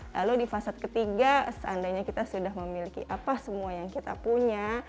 lalu di fasad ketiga seandainya kita sudah memiliki apa semua yang kita punya